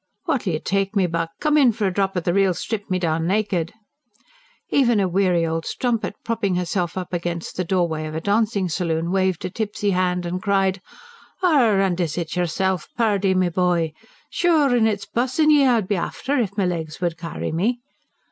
"What'll you take, me buck? Come on in for a drop o' the real strip me down naked!" Even a weary old strumpet, propping herself against the doorway of a dancing saloon, waved a tipsy hand and cried: "Arrah, an' is it yerrself, Purrdy, me bhoy? Shure an' it's bussin' ye I'd be afther if me legs would carry me!"